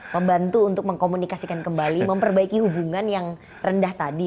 membantu untuk mengkomunikasikan kembali memperbaiki hubungan yang rendah tadi